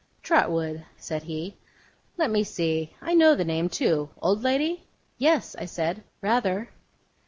'Trotwood,' said he. 'Let me see. I know the name, too. Old lady?' 'Yes,' I said, 'rather.